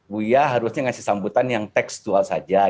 buya harusnya ngasih sambutan yang tekstual saja